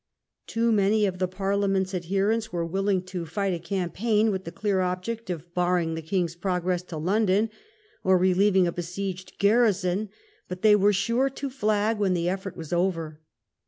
Too many of the Parliament's adherents were willing to fight a 42 EDGEHILL. campaign with the clear object of barring the king's pro gress to London, or relieving a besieged garrison; but they were sure to flag when the effort was over.